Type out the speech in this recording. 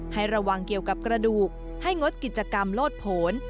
ให้ระวังเกี่ยวกับกระดูกให้งดกิจกรรมโลดผล